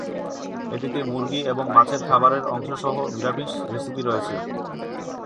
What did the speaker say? এটিতে মুরগী এবং মাছের খাবারের অংশ সহ নিরামিষ রেসিপি রয়েছে।